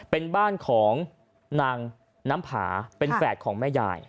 เป็นบ้านของนางน้ำผาเป็นแฝดของแม่ยาย